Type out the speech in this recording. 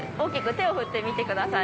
手を振ってみてください。